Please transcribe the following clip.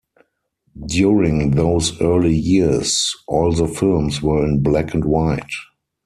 During those early years, all the films were in black and white.